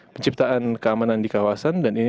penciptaan keamanan di kawasan dan ini